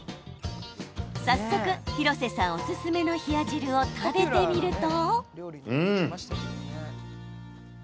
早速、廣瀬さんおすすめの冷や汁を食べてみると。